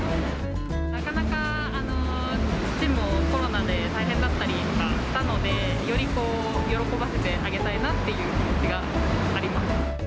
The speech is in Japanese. なかなか父もコロナで大変だったりとかしたので、より喜ばせてあげたいなっていう気持ちがあります。